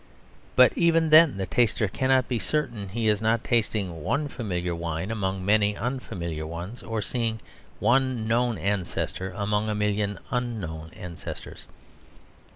But even then the taster cannot be certain he is not tasting one familiar wine among many unfamiliar ones or seeing one known ancestor among a million unknown ancestors.